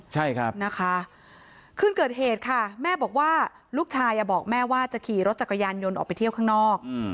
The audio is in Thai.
ใช่ครับนะคะคืนเกิดเหตุค่ะแม่บอกว่าลูกชายบอกแม่ว่าจะขี่รถจักรยานยนต์ออกไปเที่ยวข้างนอก